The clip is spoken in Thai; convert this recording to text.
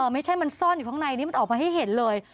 ไม่ใช่มันซ่อนอยู่ข้างในนี้มันออกมาให้เห็นเลย